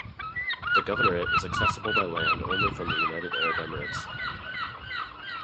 The governorate is accesible by land only from the United Arab Emirates.